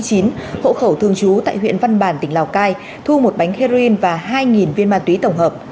hộ khẩu thường trú tại huyện văn bàn tỉnh lào cai thu một bánh heroin và hai viên ma túy tổng hợp